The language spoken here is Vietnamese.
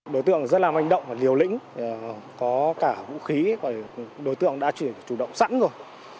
đối tượng rất là manh động và liều lĩnh có cả vũ khí đối tượng đã chuyển chủ động sẵn rồi